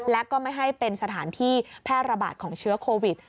และก็ไม่ให้เป็นสถานที่แพร่ระบาดของเชื้อโควิด